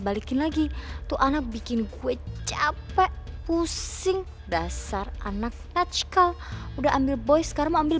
balikin lagi tuh anak bikin gue capek pusing dasar anak atch cul udah ambil boy sekarang mau ambil